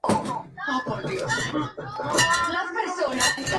Infecta a peces.